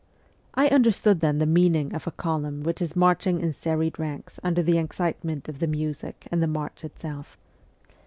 I understood then the meaning of a column which is marching in serried ranks under the excitement of the music and the march itself.